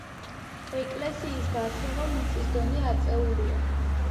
ეკლესიის გარშემო მიწის დონე აწეულია.